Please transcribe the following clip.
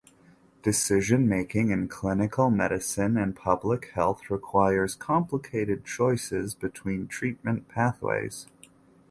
Decision making in clinical medicine and public health requires complicated choices between treatment pathways.